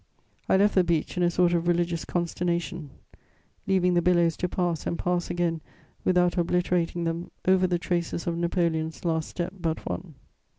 I left the beach in a sort of religious consternation, leaving the billows to pass and pass again, without obliterating them, over the traces of Napoleon's last step but one.